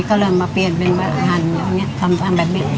ก็เลยมาเปลี่ยนเป็นอาหารแบบนี้